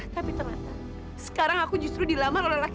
tapi ternyata sekarang aku justru dilamar oleh laki laki